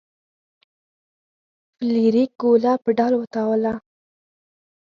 فلیریک ګوله په ډال وتاوله.